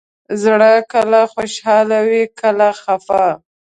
زړه کله خوشحاله وي، کله خفه.